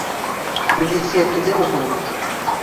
— Милиция кңлдеме һуң?